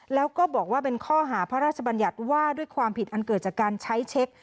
แล้วก็บอกว่าเป็นข้อหาพระราชบัญญัติว่าด้วยความผิดอันเกิดจากการใช้เช็ค